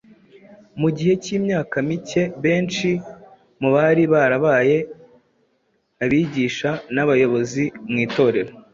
mu gihe cy’imyaka mike benshi mu bari barabaye abigisha n’abayobozi mu itorero